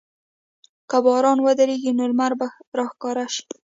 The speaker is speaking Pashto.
که باران ودریږي، نو لمر به راښکاره شي.